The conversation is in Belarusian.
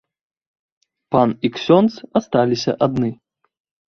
Пан і ксёндз асталіся адны.